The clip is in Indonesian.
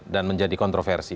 dan menjadi kontroversi